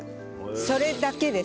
それだけです。